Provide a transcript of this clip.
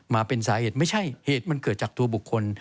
มาเป็นสาเหตุไม่ใช่เหตุมันเกิดจากตัวบุคคล